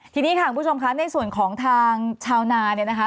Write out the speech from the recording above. ทีนี้ค่ะคุณผู้ชมคะในส่วนของทางชาวนาเนี่ยนะคะ